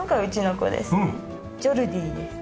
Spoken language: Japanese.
ジョルディです。